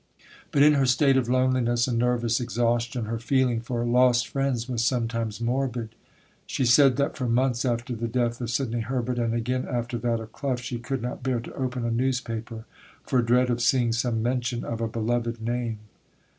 But in her state of loneliness and nervous exhaustion her feeling for lost friends was sometimes morbid. She said that for months after the death of Sidney Herbert, and again after that of Clough, she could not bear to open a newspaper for dread of seeing some mention of a beloved name.